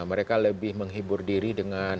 mereka lebih menghibur diri dengan